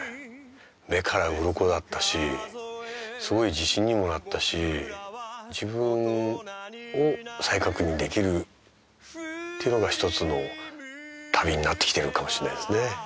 目からうろこだったしすごい自信にもなったし自分を再確認できるっていうのが１つの旅になってきてるかもしれないですね。